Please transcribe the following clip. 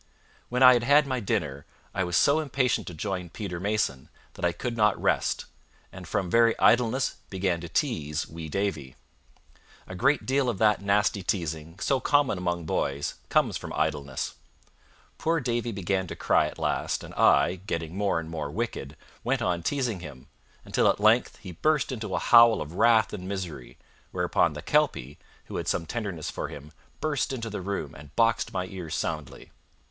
When I had had my dinner, I was so impatient to join Peter Mason that I could not rest, and from very idleness began to tease wee Davie. A great deal of that nasty teasing, so common among boys, comes of idleness. Poor Davie began to cry at last, and I, getting more and more wicked, went on teasing him, until at length he burst into a howl of wrath and misery, whereupon the Kelpie, who had some tenderness for him, burst into the room, and boxed my ears soundly.